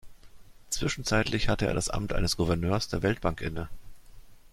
Zwischenzeitlich hatte er das Amt eines Gouverneurs der Weltbank inne.